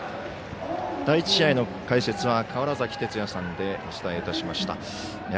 第１試合の解説は川原崎哲也さんでお伝えをいたしました。